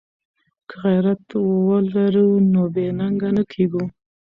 که غیرت ولرو نو بې ننګه نه کیږو.